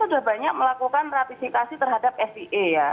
kita sudah banyak melakukan ratifikasi terhadap sea ya